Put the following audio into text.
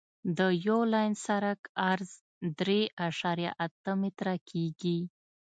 د یو لاین سرک عرض درې اعشاریه اته متره کیږي